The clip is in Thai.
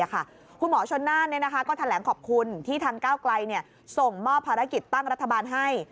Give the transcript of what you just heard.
คุณหมอชนน่านก็แถลงขอบคุณที่ทางก้าวไกลส่งมอบภารกิจตั้งรัฐบาลให้